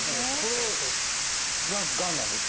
これががんなんですか。